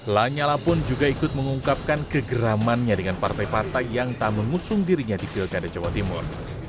lanyala pun juga ikut mengungkapkan kegeramannya dengan partai partai yang tak mengusung dirinya di pilkada jawa timur